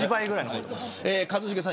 一茂さん